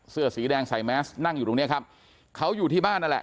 เสื้อสีแดงใส่แมสนั่งอยู่ตรงเนี้ยครับเขาอยู่ที่บ้านนั่นแหละ